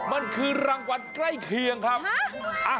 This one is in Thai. มันคือรางวัลใกล้เคียงครับ